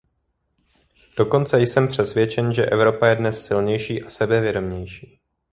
Dokonce jsem přesvědčen, že Evropa je dnes silnější a sebevědomější.